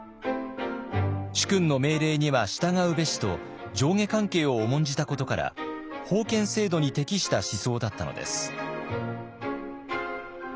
「主君の命令には従うべし」と上下関係を重んじたことから封建制度に適した思想だったのです。